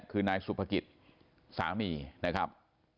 คือนายสุภกิจสามีนะครับ